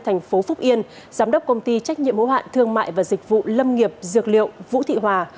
thành phố phúc yên giám đốc công ty trách nhiệm hữu hạn thương mại và dịch vụ lâm nghiệp dược liệu vũ thị hòa